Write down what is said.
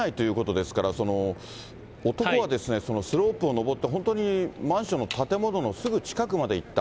マンションの敷地内ということですから、男はスロープを上って、本当にマンションの建物のすぐ近くまで行った。